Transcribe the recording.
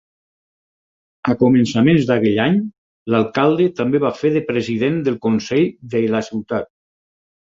A començaments d'aquell any l'alcalde també va fer de president del consell de lla ciutat.